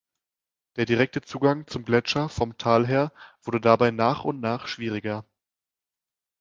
Der direkte Zugang zum Gletscher vom Tal her wurde dabei nach und nach schwieriger.